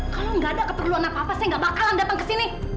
kalau gak ada keperluan apa apa saya gak bakalan datang kesini